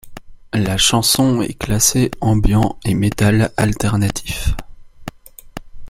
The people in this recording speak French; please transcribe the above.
La chanson est classée ambient et metal alternatif.